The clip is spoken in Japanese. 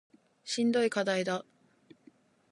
しんどい課題だ